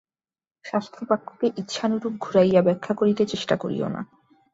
শাস্ত্রবাক্যকে ইচ্ছানুরূপ ঘুরাইয়া ব্যাখ্যা করিতে চেষ্টা করিও না।